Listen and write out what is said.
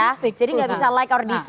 jadi tidak bisa like or dislike